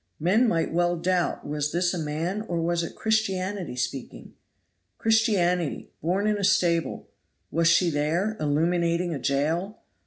Men might well doubt was this a man, or was it Christianity speaking? Christianity, born in a stable, was she there, illuminating a jail?